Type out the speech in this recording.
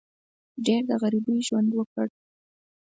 ډېر د غریبۍ ژوند وکړ.